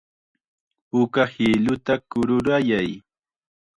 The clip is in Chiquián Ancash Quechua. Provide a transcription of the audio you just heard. Puka hiluta kururayay.